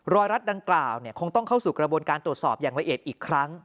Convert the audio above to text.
รัดดังกล่าวคงต้องเข้าสู่กระบวนการตรวจสอบอย่างละเอียดอีกครั้ง